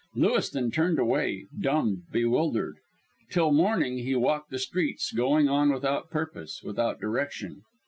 Lewiston turned away, dumb, bewildered. Till morning he walked the streets, going on without purpose, without direction.